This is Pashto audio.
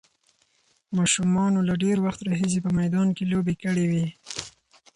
ماشومانو له ډېر وخت راهیسې په میدان کې لوبې کړې وې.